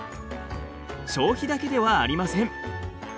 消費だけではありません。